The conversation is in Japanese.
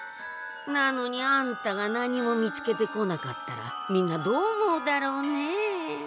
なのにあんたが何も見つけてこなかったらみんなどう思うだろうねえ。